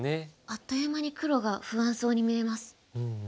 あっという間に黒が不安そうに見えます。